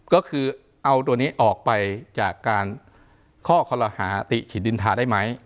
ก็คือเอาตัวนี้ออกไปจากการข้อคอลหาติขินทาได้ไหม